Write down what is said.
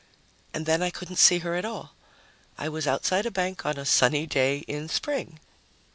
And then I couldn't see her at all. I was outside a bank on a sunny day in spring.